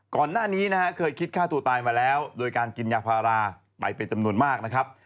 ก่อนหน้านี้นะฮะเคยคิดฆ่าตัวตายมาแล้วโดยการกินยาพาราไปเป็นจำนวนมากนะครับ